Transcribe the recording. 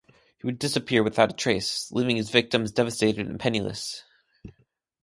He would disappear without a trace, leaving his victims devastated and penniless.